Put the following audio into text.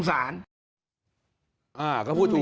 ฟังจากสสพี่วัน